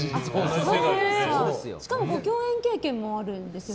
しかもご共演経験もあるんですね。